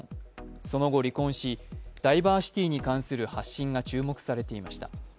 その後離婚し、ダイバーシティーに関する発信が注目されていました。